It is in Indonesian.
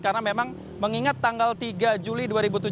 karena memang mengingat tanggal tiga juli dua ribu tujuh belas